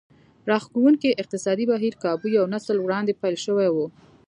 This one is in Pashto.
راښکوونکی اقتصادي بهير کابو یو نسل وړاندې پیل شوی و